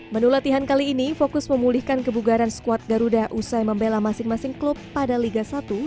menulatihan kali ini fokus memulihkan kebugaran squad garuda usai membela masing masing klub pada liga satu dua ribu dua puluh satu dua ribu dua puluh dua